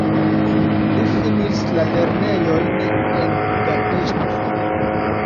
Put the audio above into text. Li finis la lernejojn en Budapeŝto.